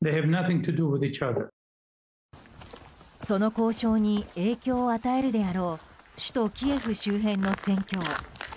その交渉に影響を与えるであろう首都キエフ周辺の戦況。